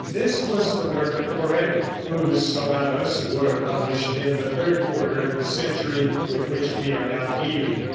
This was the work of Corelli, whose sonatas were published in the third quarter of the century with which we are now dealing.